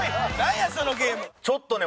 ちょっとね